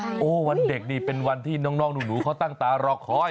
โอ้โหวันเด็กนี่เป็นวันที่น้องหนูเขาตั้งตารอคอย